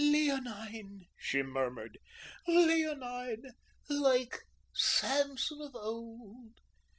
"Leonine!" she murmured "leonine! Like Samson of old."